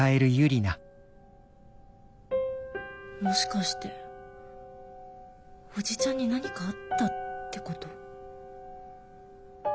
もしかしておじちゃんに何かあったってこと？